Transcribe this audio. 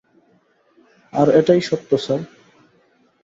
আর এটাই সত্য, স্যার।